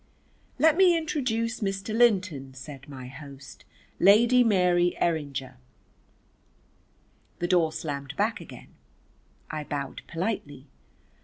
"Let me introduce Mr. Linton," said my host "Lady Mary Errinjer." The door slammed back again. I bowed politely.